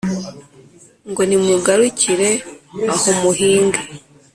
Ngo: "Nimugarukire aho muhinge